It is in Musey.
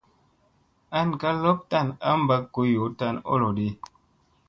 An kaa lop tan a mba go yoo tani oloɗi.